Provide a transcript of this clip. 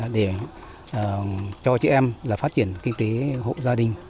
để cho chị em phát triển kinh tế hộ gia đình